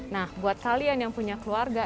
nah buat kalian yang punya keluarga